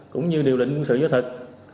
cũng như điều lệnh quân sự giáo thịch